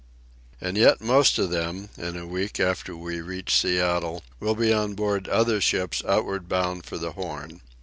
And yet most of them, in a week after we reach Seattle, will be on board other ships outward bound for the Horn.